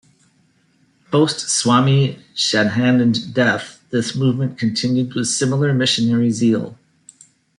Post Swami Shraddhanand death this movement continued with similar missionary zeal.